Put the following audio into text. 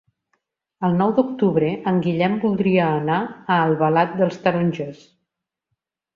El nou d'octubre en Guillem voldria anar a Albalat dels Tarongers.